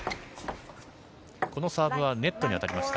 このサーブはネットに当たりました。